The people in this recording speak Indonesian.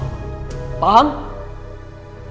gue gak pernah ngasih rara bunga